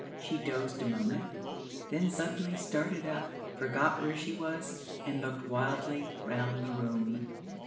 She dozed a moment; then suddenly started up, forgot where she was, and looked wildly round the room.